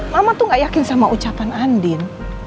mama tuh gak yakin sama ucapan andin